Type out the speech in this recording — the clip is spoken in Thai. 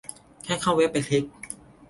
แค่เข้าเว็บไปคลิก